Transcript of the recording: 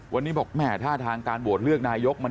วันนี้บอกแม่ท่าทางการโหวตเลือกนายก